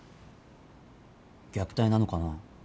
虐待なのかな。